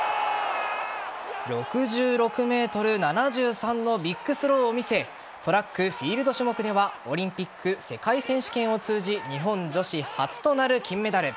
６６ｍ７３のビッグスローを見せトラック・フィールド種目ではオリンピック、世界選手権を通じ日本女子初となる金メダル。